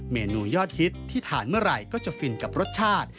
เมนูยอดฮิตที่ทานเมื่อไหร่ก็จะฟินกับรสชาติ